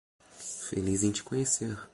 Feliz em te conhecer.